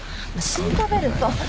シートベルト。